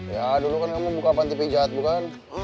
ya dulu kan kamu buka panti pijat bukan